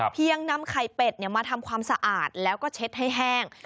นำไข่เป็ดมาทำความสะอาดแล้วก็เช็ดให้แห้ง